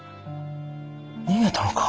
逃げたのか？